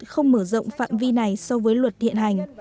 không mở rộng phạm vi này so với luật hiện hành